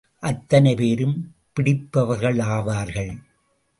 அத்தனை பேரும் பிடிப்பவர்களாவார்கள்.